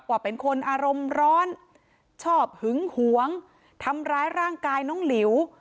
ว่าเป็นคนอารมณ์ร้อนชอบหึงหวงทำร้ายร่างกายน้องหลิว